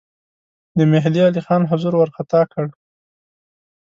د مهدی علي خان حضور وارخطا کړ.